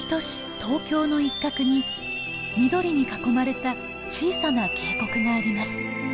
東京の一角に緑に囲まれた小さな渓谷があります。